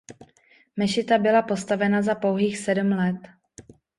Mešita byla postavena za pouhých sedm let.